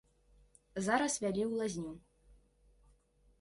Зараз вялі ў лазню.